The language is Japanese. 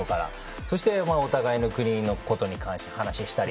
そして、お互いの国のことに関して話をしたり。